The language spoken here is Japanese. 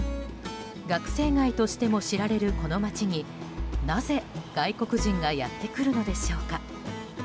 学生街としても知られるこの街になぜ外国人がやってくるのでしょうか。